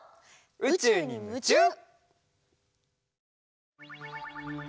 「うちゅうにムチュー」！